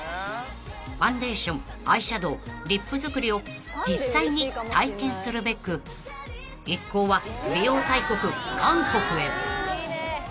［ファンデーションアイシャドウリップ作りを実際に体験するべく一行は美容大国韓国へ］